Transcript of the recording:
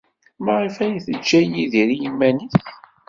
Maɣef ay teǧǧa Yidir i yiman-nnes?